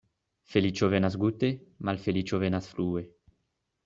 Feliĉo venas gute, malfeliĉo venas flue.